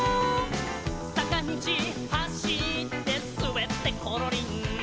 「さかみちはしってすべってコロリン」